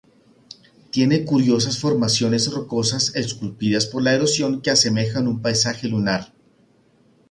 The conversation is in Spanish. Tiene curiosas formaciones rocosas esculpidas por la erosión que asemejan un paisaje lunar.